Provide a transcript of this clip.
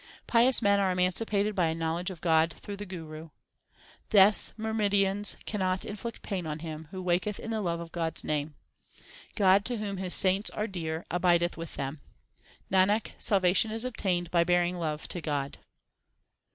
Pious men are emancipated by a knowledge of God through the Guru. Death s myrmidons cannot inflict pain on him Who awaketh in the love of God s name. God to whom His saints are dear, abideth with them. Nanak, salvation is obtained by bearing love to God.